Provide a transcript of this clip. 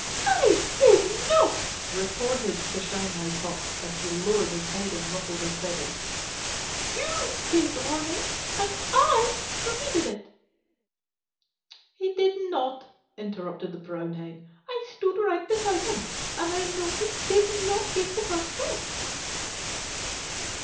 "I did not," retorted the Shanghai Cock, as he lowered his head and ruffled his feathers. "You gave the warning and I repeated it." "He did not," interrupted the Brown Hen. "I stood right beside him, and I know he did not give the first call."